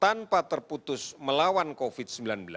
tanpa terputus melawan covid sembilan belas